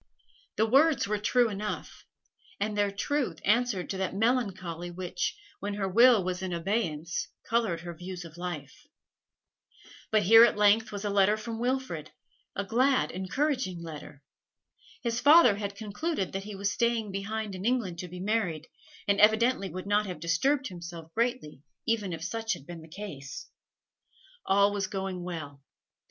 The words were true enough, and their truth answered to that melancholy which, when her will was in abeyance, coloured her views of life. But here at length was a letter from Wilfrid, a glad, encouraging letter. His father had concluded that he was staying behind in England to be married, and evidently would not have disturbed himself greatly even if such had been the case. All was going well.